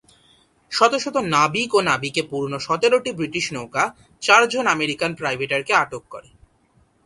শত শত নাবিক ও নাবিকে পূর্ণ সতেরোটি ব্রিটিশ নৌকা চারজন আমেরিকান প্রাইভেটারকে আটক করে।